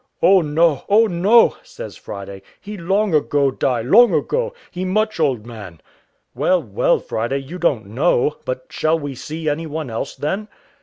"Oh no, Oh no," says Friday, "he long ago die, long ago; he much old man." "Well, well, Friday, you don't know; but shall we see any one else, then?"